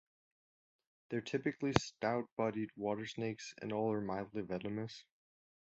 They are typically stout-bodied water snakes, and all are mildly venomous.